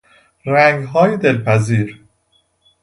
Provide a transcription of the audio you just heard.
رنگهای دلپذیر